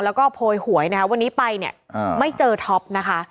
แล้วก็โพยหวยนะคะวันนี้ไปเนี่ยไม่เจอท็อปนะคะ